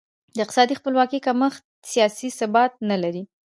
د اقتصادي خپلواکي کمښت سیاسي ثبات نه لري.